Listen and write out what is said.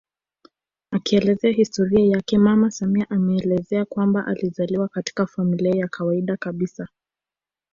Akielezea historia yake mama samia ameelezea kwamba alizaliwa katika familia ya kawaida kabisa